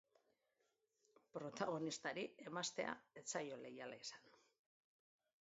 Protagonistari emaztea ez zaio leiala izan.